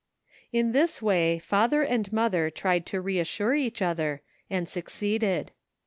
In this way father and mother tried to reassure each other, and succeeded.